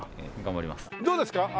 どうですか？